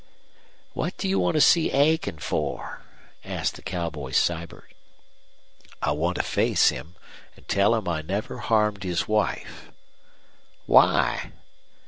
"What do you want to see Aiken for?" asked the cowboy Sibert. "I want to face him, and tell him I never harmed his wife." "Why?"